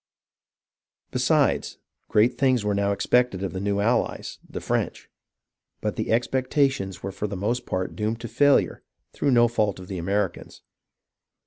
Besides, great things were now expected of the new allies, the French ; but the expectations were for the most part doomed to failure through no fault of the Americans.